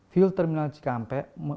fuel terminal cikampek